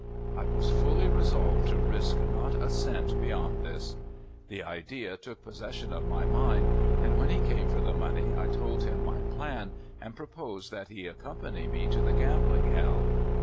I was fully resolved to risk not a cent be yond this. The idea took possession of my mind, and when he came for the money I told him my plan, and proposed that he accompany me to the gambling hell.